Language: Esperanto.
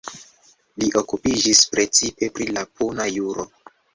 Li okupiĝis precipe pri la puna juro.